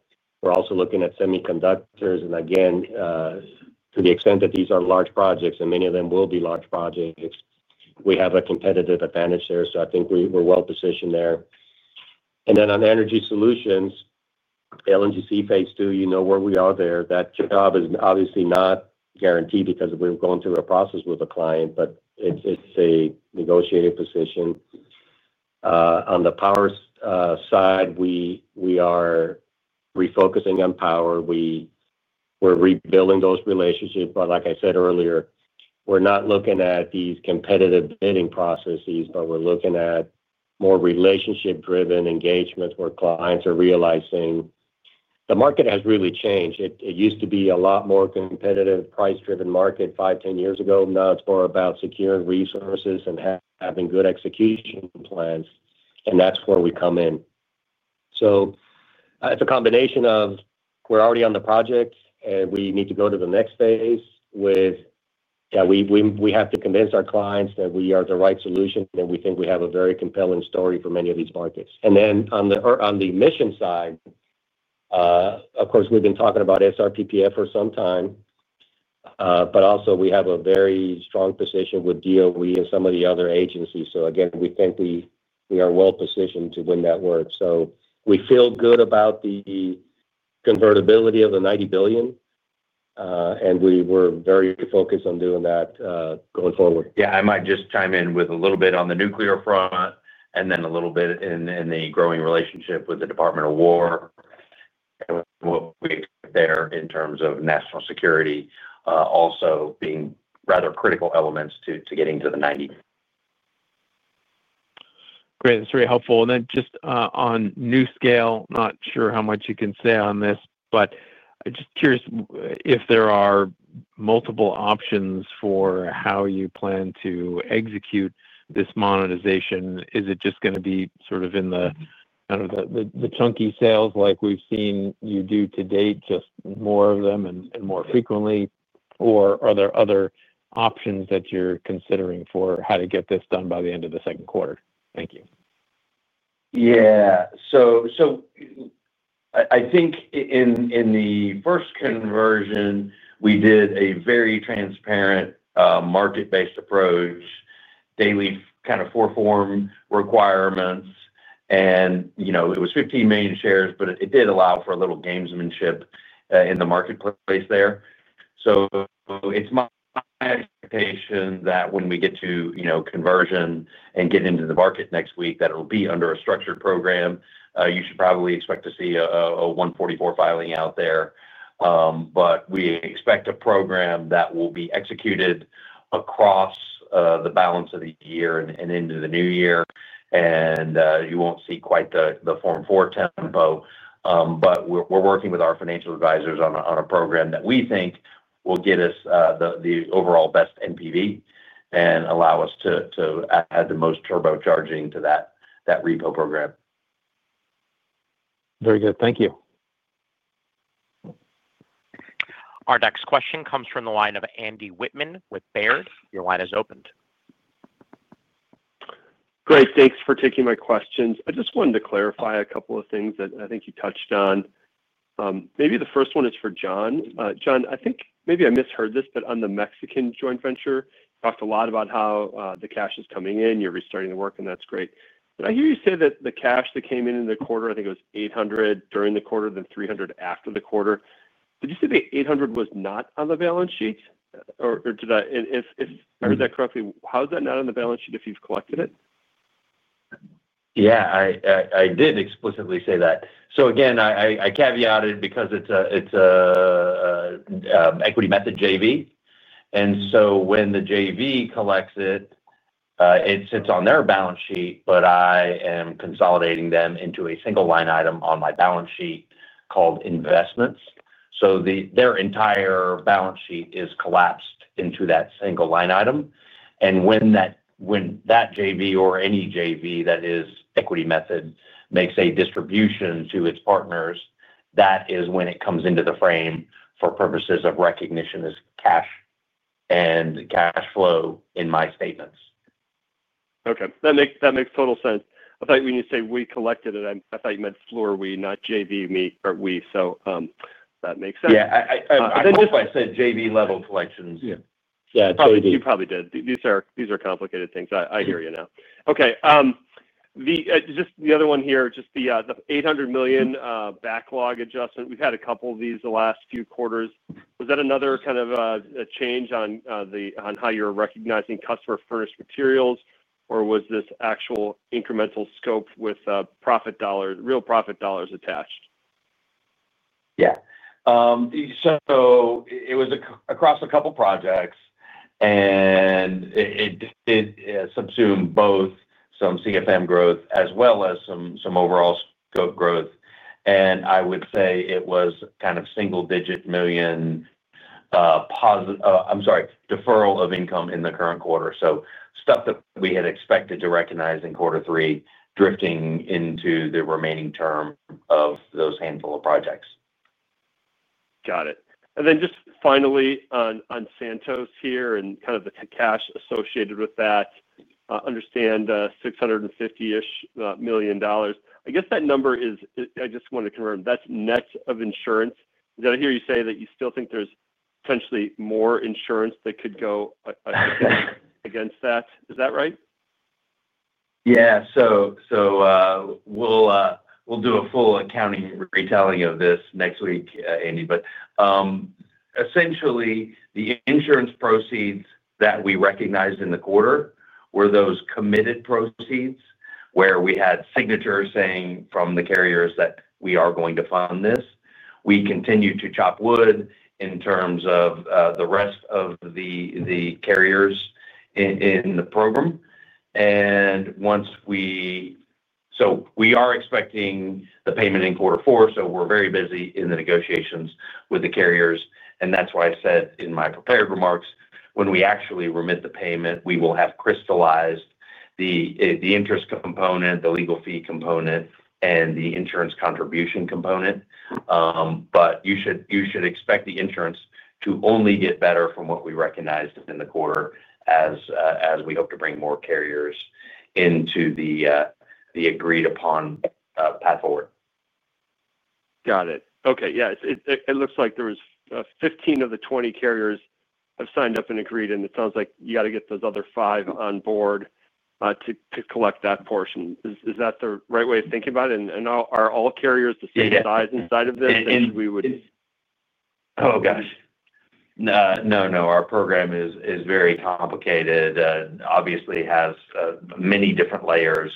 We are also looking at semiconductors. Again, to the extent that these are large projects, and many of them will be large projects, we have a competitive advantage there. I think we are well positioned there. On Energy Solutions, LNG Canada phase II, you know where we are there. That job is obviously not guaranteed because we are going through a process with a client, but it is a negotiated position. On the power side, we are refocusing on power. We are rebuilding those relationships. Like I said earlier, we are not looking at these competitive bidding processes, but we are looking at more relationship-driven engagements where clients are realizing the market has really changed. It used to be a lot more competitive, price-driven market five, ten years ago. Now it is more about securing resources and having good execution plans. That is where we come in. It is a combination of we are already on the project, and we need to go to the next phase with, yeah, we have to convince our clients that we are the right solution and we think we have a very compelling story for many of these markets. On the Mission side, of course, we have been talking about SRPPF for some time, but also we have a very strong position with DOE and some of the other agencies. Again, we think we are well positioned to win that work. We feel good about the convertibility of the $90 billion, and we were very focused on doing that going forward. Yeah. I might just chime in with a little bit on the nuclear front and then a little bit in the growing relationship with the Department of War and what we expect there in terms of national security also being rather critical elements to getting to the $90 billion. Great. That's very helpful. Just on NuScale, not sure how much you can say on this, but I'm just curious if there are multiple options for how you plan to execute this monetization. Is it just going to be sort of in the chunky sales like we've seen you do to date, just more of them and more frequently, or are there other options that you're considering for how to get this done by the end of the second quarter? Thank you. Yeah. I think in the first conversion, we did a very transparent market-based approach, daily kind of four-form requirements. It was 15 million shares, but it did allow for a little gamesmanship in the marketplace there. It is my expectation that when we get to conversion and get into the market next week, that it will be under a structured program. You should probably expect to see a 144 filing out there. We expect a program that will be executed across the balance of the year and into the new year. You will not see quite the Form 4 tempo. We are working with our financial advisors on a program that we think will get us the overall best NPV and allow us to add the most turbocharging to that repo program. Very good. Thank you. Our next question comes from the line of Andy Wittmann with Baird. Your line is opened. Great. Thanks for taking my questions. I just wanted to clarify a couple of things that I think you touched on. Maybe the first one is for John. John, I think maybe I misheard this, but on the Mexican joint venture, you talked a lot about how the cash is coming in. You're restarting the work, and that's great. Did I hear you say that the cash that came in in the quarter, I think it was $800 million during the quarter, then $300 million after the quarter? Did you say the $800 million was not on the balance sheet? Or did I—if I heard that correctly, how is that not on the balance sheet if you've collected it? Yeah. I did explicitly say that. So again, I caveated because it's an equity method JV. When the JV collects it, it sits on their balance sheet, but I am consolidating them into a single line item on my balance sheet called investments. Their entire balance sheet is collapsed into that single line item. When that JV or any JV that is equity method makes a distribution to its partners, that is when it comes into the frame for purposes of recognition as cash and cash flow in my statements. Okay. That makes total sense. I thought when you say we collected it, I thought you meant Fluor we, not JV me or we. That makes sense. I thought I said JV level collections. You probably did. These are complicated things. I hear you now. Okay. Just the other one here, just the $800 million backlog adjustment. We have had a couple of these the last few quarters. Was that another kind of change on how you're recognizing customer-furnished materials, or was this actual incremental scope with real profit dollars attached? Yeah. So it was across a couple of projects, and it subsumed both some CFM growth as well as some overall scope growth. I would say it was kind of single-digit million—I'm sorry—deferral of income in the current quarter. Stuff that we had expected to recognize in quarter three, drifting into the remaining term of those handful of projects. Got it. Finally on Santos here and kind of the cash associated with that, understand $650 million-ish. I guess that number is—I just want to confirm—that's net of insurance. Did I hear you say that you still think there's potentially more insurance that could go against that? Is that right? Yeah. We will do a full accounting retelling of this next week, Andy. Essentially, the insurance proceeds that we recognized in the quarter were those committed proceeds where we had signatures saying from the carriers that we are going to fund this. We continue to chop wood in terms of the rest of the carriers in the program. We are expecting the payment in quarter four. We are very busy in the negotiations with the carriers. That is why I said in my prepared remarks, when we actually remit the payment, we will have crystallized the interest component, the legal fee component, and the insurance contribution component. You should expect the insurance to only get better from what we recognized in the quarter as we hope to bring more carriers into the agreed-upon path forward. Got it. Okay. Yeah. It looks like there was 15 of the 20 carriers have signed up and agreed. It sounds like you got to get those other five on board to collect that portion. Is that the right way of thinking about it? Are all carriers the same size inside of this? Oh, gosh. No, no. Our program is very complicated and obviously has many different layers.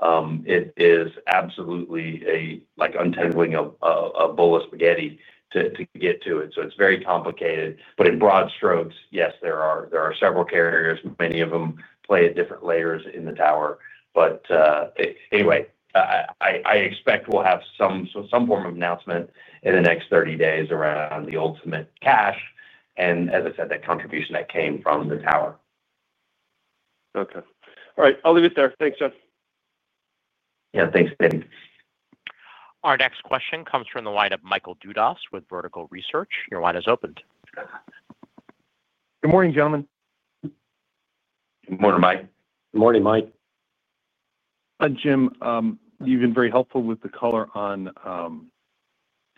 It is absolutely like untangling a bowl of spaghetti to get to it. It is very complicated. In broad strokes, yes, there are several carriers. Many of them play at different layers in the tower. Anyway, I expect we'll have some form of announcement in the next 30 days around the ultimate cash and, as I said, that contribution that came from the tower. Okay. All right. I'll leave it there. Thanks, John. Yeah. Thanks, David. Our next question comes from the line of Michael Dudas with Vertical Research. Your line is opened. Good morning, gentlemen. Good morning, Mike. Good morning, Mike. Hi, Jim. You've been very helpful with the color on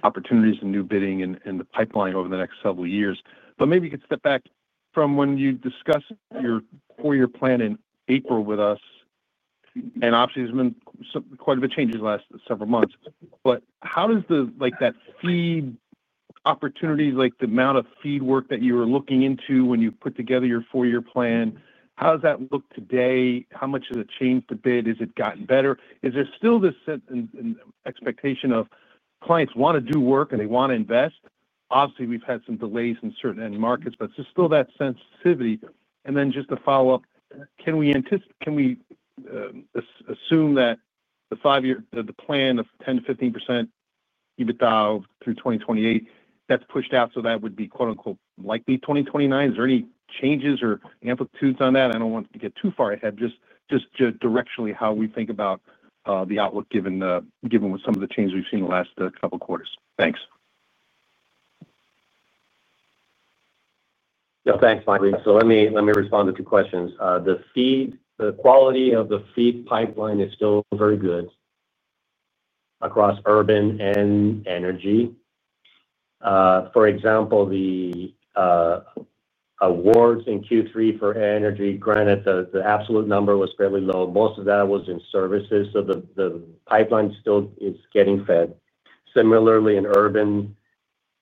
opportunities and new bidding and the pipeline over the next several years. Maybe you could step back from when you discussed your four-year plan in April with us. Obviously, there's been quite a bit of changes in the last several months. How does that feed opportunities, the amount of feedwork that you were looking into when you put together your four-year plan, how does that look today? How much has it changed the bid? Has it gotten better? Is there still this expectation of clients want to do work and they want to invest? Obviously, we've had some delays in certain markets, but is there still that sensitivity? Then just to follow up, can we assume that the plan of 10%-15% EBITDA through 2028, that's pushed out so that would be "likely 2029"? Is there any changes or amplitudes on that? I don't want to get too far ahead. Just directionally, how we think about the outlook given some of the changes we've seen in the last couple of quarters. Thanks. Yeah. Thanks, Mike. Let me respond to two questions. The quality of the feed pipeline is still very good across Urban and Energy. For example, the awards in Q3 for energy, granted, the absolute number was fairly low. Most of that was in services. The pipeline still is getting fed. Similarly, in Urban,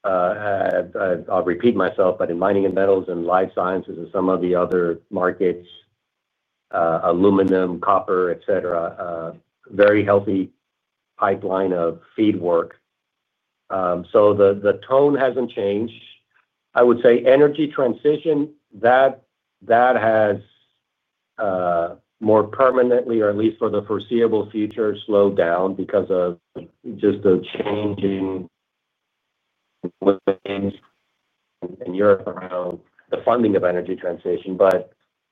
I'll repeat myself, but in mining and metals and life sciences and some of the other markets, aluminum, copper, etc., very healthy pipeline of feedwork. The tone has not changed. I would say energy transition, that has more permanently, or at least for the foreseeable future, slowed down because of just the changing waves in Europe around the funding of energy transition,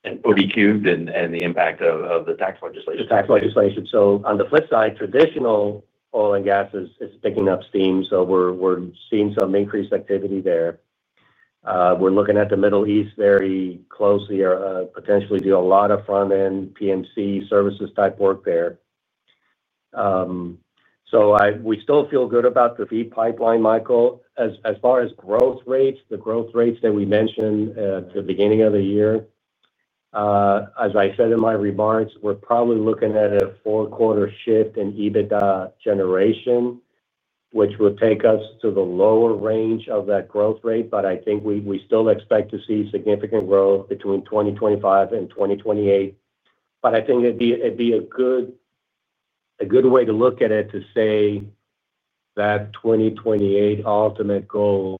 and ODQ and the impact of the tax legislation. The tax legislation. On the flip side, traditional oil and gas is picking up steam. We are seeing some increased activity there. We are looking at the Middle East very closely, potentially do a lot of front-end PMC services type work there. We still feel good about the FEED pipeline, Michael. As far as growth rates, the growth rates that we mentioned at the beginning of the year, as I said in my remarks, we are probably looking at a four-quarter shift in EBITDA generation, which will take us to the lower range of that growth rate. I think we still expect to see significant growth between 2025 and 2028. I think it would be a good way to look at it to say that 2028 ultimate goal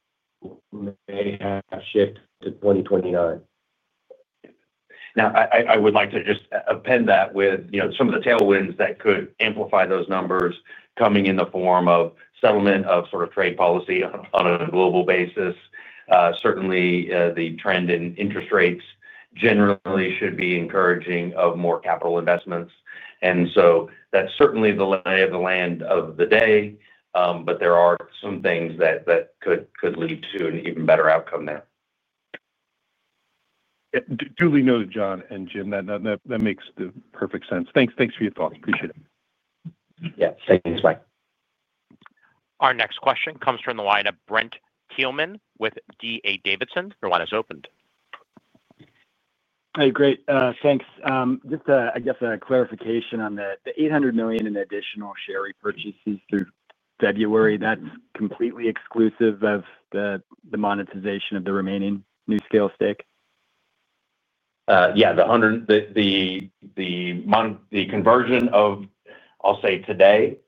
may have shifted to 2029. I would like to just append that with some of the tailwinds that could amplify those numbers coming in the form of settlement of sort of trade policy on a global basis. Certainly, the trend in interest rates generally should be encouraging of more capital investments. That is certainly the lay of the land of the day, but there are some things that could lead to an even better outcome there. Duly noted, John and Jim. That makes perfect sense. Thanks for your thoughts. Appreciate it. Yeah. Thanks. Bye. Our next question comes from the line of Brent Thielman with D.A. Davidson. Your line is opened. Hey, great. Thanks. Just, I guess, a clarification on the $800 million in additional share repurchases through February. That's completely exclusive of the monetization of the remaining NuScale stake? Yeah. The conversion of, I'll say, today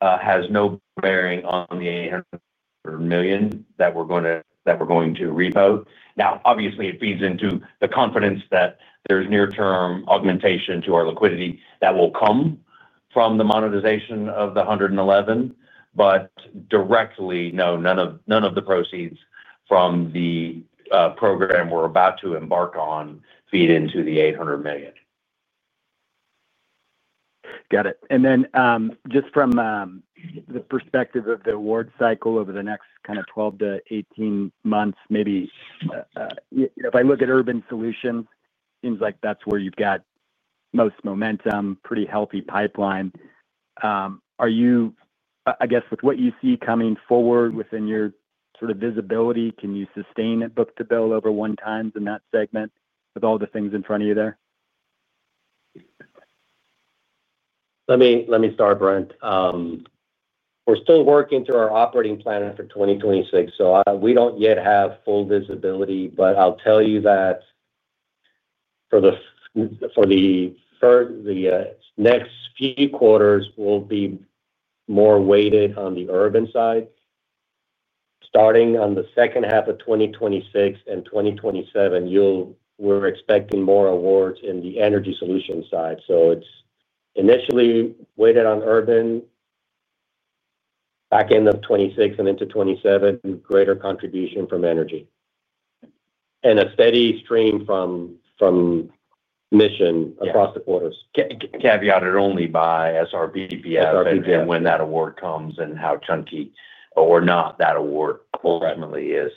has no bearing on the $800 million that we're going to repote. Now, obviously, it feeds into the confidence that there's near-term augmentation to our liquidity that will come from the monetization of the 111 million. But directly, no, none of the proceeds from the program we're about to embark on feed into the $800 million. Got it. Just from the perspective of the award cycle over the next kind of 12 to 18 months, maybe if I look at Urban Solutions, it seems like that's where you've got most momentum, pretty healthy pipeline. Are you, I guess, with what you see coming forward within your sort of visibility, can you sustain and book-to-bill over one time in that segment with all the things in front of you there? Let me start, Brent. We're still working through our operating plan for 2026. So we don't yet have full visibility. But I'll tell you that for the next few quarters, we'll be more weighted on the Urban side. Starting on the second half of 2026 and 2027, we're expecting more awards in the Energy Solution side. So it's initially weighted on Urban, back end of 2026 and into 2027, greater contribution from Energy and a steady stream from Mission across the quarters. Caveated only by SRPPF and when that award comes and how chunky or not that award ultimately is.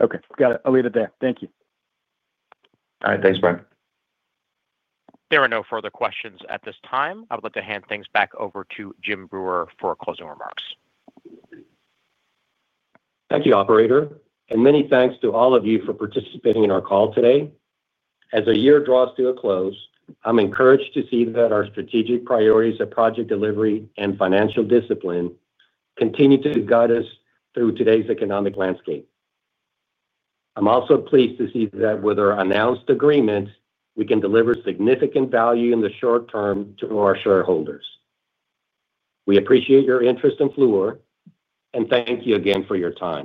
Okay. Got it. I'll leave it there. Thank you. All right. Thanks, Brent. There are no further questions at this time. I would like to hand things back over to Jim Breuer for closing remarks. Thank you, Operator. And many thanks to all of you for participating in our call today. As a year draws to a close, I'm encouraged to see that our strategic priorities of project delivery and financial discipline continue to guide us through today's economic landscape. I'm also pleased to see that with our announced agreement, we can deliver significant value in the short term to our shareholders. We appreciate your interest in Fluor, and thank you again for your time.